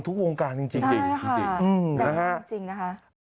ทุกวงการจริงนะคะดังนั้นจริงนะคะค่ะ